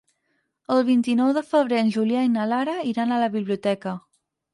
El vint-i-nou de febrer en Julià i na Lara iran a la biblioteca.